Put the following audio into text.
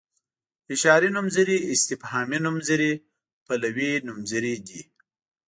اشاري نومځري استفهامي نومځري پلوي نومځري دي.